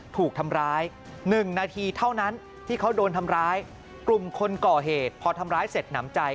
ถูกทำร้าย๑นาทีเท่านั้นที่เขาโดนทำร้ายกลุ่มคนก่อเหตุพอทำร้ายเสร็จหนำใจ